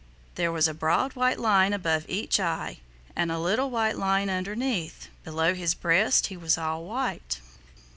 There was a broad white line above each eye and a little white line underneath. Below his breast he was all white.